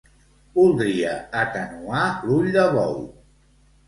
Voldria atenuar l'ull de bou.